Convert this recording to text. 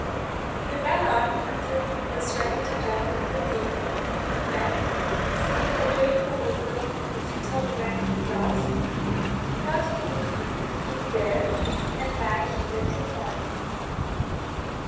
He ran on until he was ready to drop with fatigue, when, seeing a drain overgrown with tall, rank grass, he thought he would creep in there and lie hidden till morning.